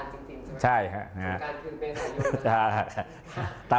ว่าสงการจริงใช่ไหมครับสงการขึ้นเป็นอายุก็ได้